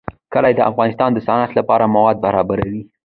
کلي د افغانستان د صنعت لپاره مواد برابروي.